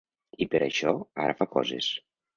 I per això ara fa coses.